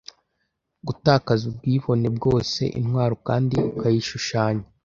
gutakaza ubwibone bwose intwaro kandi ikayishushanya